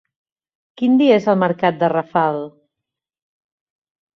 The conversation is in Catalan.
Quin dia és el mercat de Rafal?